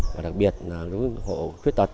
và đặc biệt là hộ khuyết tật